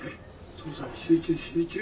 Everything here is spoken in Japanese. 捜査に集中集中。